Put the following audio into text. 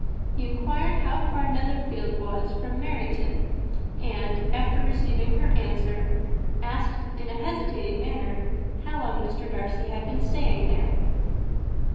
He inquired how far Netherfield was from Meryton; and, after receiving her answer, asked in a hesitating manner how long Mr. Darcy had been staying there.